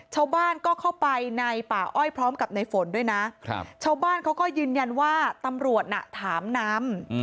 ชาวบ้านก็เข้าไปในป่าอ้อยพร้อมกับในฝนด้วยนะชาวบ้านเขาก็ยืนยันว่าตำรวจน่ะถามนำ